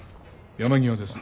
山際です。